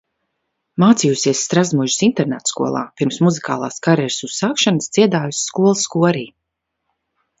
Mācījusies Strazdumuižas internātskolā, pirms muzikālās karjeras uzsākšanas dziedājusi skolas korī.